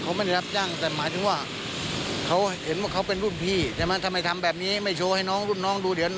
เขาไม่ได้รับจ้างแต่หมายถึงว่าเขาเห็นว่าเขาเป็นรุ่นพี่ใช่ไหมทำไมทำแบบนี้ไม่โชว์ให้น้องรุ่นน้องดูเดี๋ยว